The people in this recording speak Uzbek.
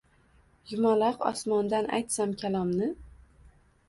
Yumaloq osmondan aytsam kalomni